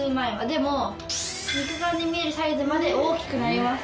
でも肉眼で見えるサイズまで大きくなります